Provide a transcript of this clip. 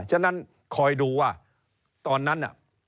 ฉะนั้นคอยดูว่าตอนนั้นน่ะ